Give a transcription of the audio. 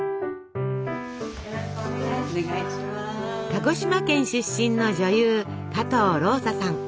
鹿児島県出身の女優加藤ローサさん。